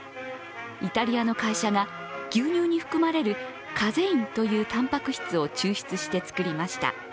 イタリアの会社が牛乳に含まれるカゼインというたんぱく質を抽出して作りました。